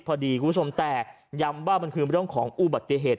พอดีคุณผู้ชมแต่ย้ำว่ามันคือในเรื่องของอูบัติเทศ